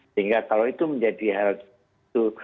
sehingga kalau itu menjadi hal itu